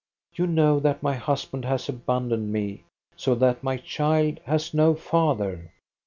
You know that my husband has abandoned me, so that my child has no father."